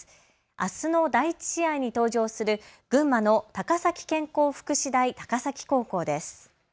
あすの第１試合に登場する群馬の高崎健康福祉大高崎高校です。